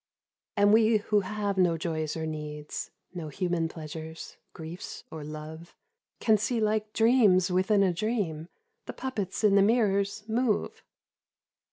And we who have no joys or needs, No human pleasures, griefs or love, Can see like dreams within a dream The puppets in the mirrors move.